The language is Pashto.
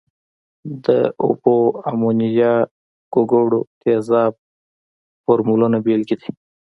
د اوبو، امونیا، ګوګړو تیزاب فورمولونه بیلګې دي.